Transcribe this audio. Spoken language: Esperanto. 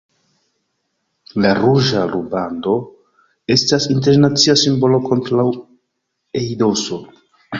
La ruĝa rubando estas internacia simbolo kontraŭ aidoso.